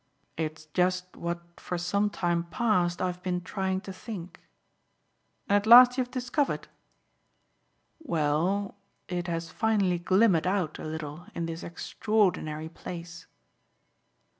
"It's just what for some time past I've been trying to think." "And at last you've discovered?" "Well it has finally glimmered out a little in this extraordinary place."